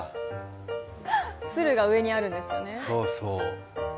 鶴が上にあるんですね。